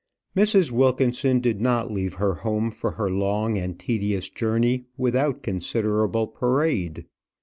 Mrs. Wilkinson did not leave her home for her long and tedious journey without considerable parade.